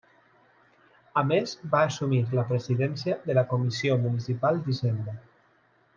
A més va assumir la Presidència de la Comissió Municipal d'Hisenda.